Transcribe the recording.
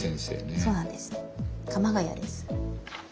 そうなんです。